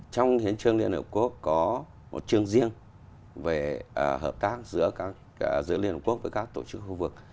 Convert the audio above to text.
trong hiến trương liên hợp quốc có một chương riêng về hợp tác giữa liên hợp quốc với các tổ chức khu vực